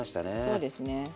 そうですね。